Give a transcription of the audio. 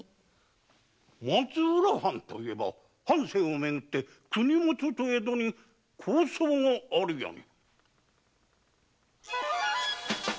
松浦藩といえば藩政をめぐって国許と江戸に抗争があるやも。